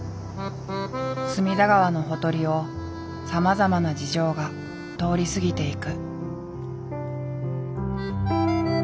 隅田川のほとりをさまざまな事情が通り過ぎていく。